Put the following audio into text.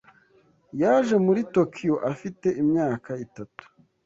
Yaje muri Tokiyo afite imyaka itatu.